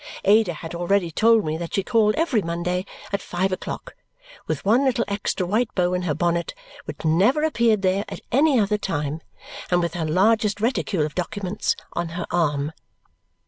Ada had already told me that she called every Monday at five o'clock, with one little extra white bow in her bonnet, which never appeared there at any other time, and with her largest reticule of documents on her arm.